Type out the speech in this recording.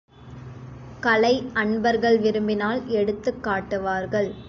கலை அன்பர்கள் விரும்பினால் எடுத்துக் காட்டுவார்கள்.